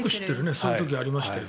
そういう時ありますよ。